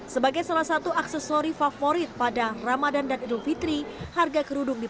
sebagai salah satu aksesori favorit pada ramadan dan idul fitri